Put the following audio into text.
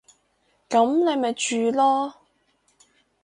噉你咪住囉